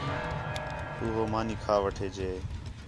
تو ہو مانی کھا وٹھے جے